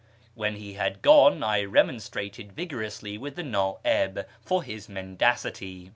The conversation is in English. When he had gone I remonstrated vigorously with the Nti'ib for his mendacity.